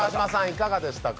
いかがでしたか？